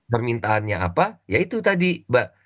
permintaan nya apa ya itu tadi mbak